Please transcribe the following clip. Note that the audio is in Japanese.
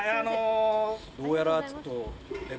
どうやらちょっと寝坊。